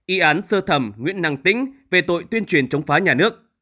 y án sơ thẩm nguyễn năng tĩnh về tội tuyên truyền chống phá nhà nước